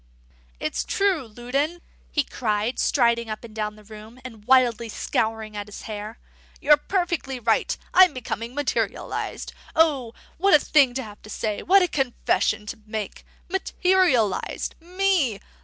"It's true, Loudon," he cried, striding up and down the room, and wildly scouring at his hair. "You're perfectly right. I'm becoming materialised. O, what a thing to have to say, what a confession to make! Materialised! Me!